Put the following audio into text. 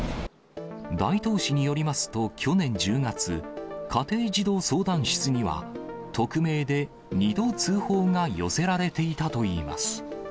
大東市によりますと、去年１０月、家庭児童相談室には、匿名で２度通報が寄せられていたといいます。